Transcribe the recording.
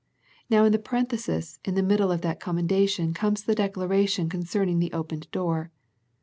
Now in the parenthesis in the middle of that commendation comes the declaration concern ing the opened door.